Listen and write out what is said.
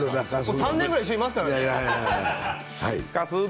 ３年ぐらい一緒にいますからね。